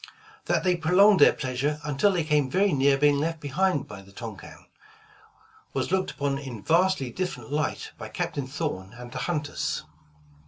That they prolonged their pleasure until they came very near being left behind by the Tonquin, was looked upon in vastly different light by Captain Thorn and the hunters.